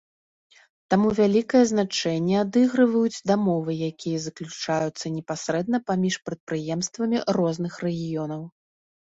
Таму вялікае значэнне адыгрываюць дамовы, якія заключаюцца непасрэдна паміж прадпрыемствамі розных рэгіёнаў.